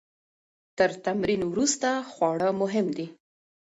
تر تمرین وروسته خواړه مهم دي.